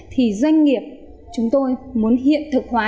thì doanh nghiệp chúng tôi muốn hiện thực hóa